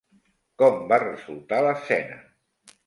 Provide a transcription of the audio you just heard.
Com va resultar l'escena?